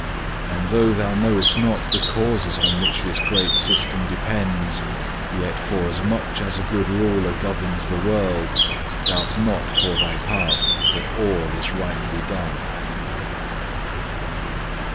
And though thou knowest not the causes on which this great system depends, yet forasmuch as a good ruler governs the world, doubt not for thy part that all is rightly done.'